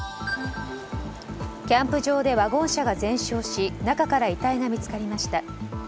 キャンプ場でワゴン車が全焼し中から遺体が見つかりました。